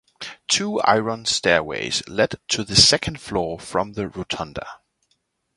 Two iron stairways led to the second floor from the rotunda.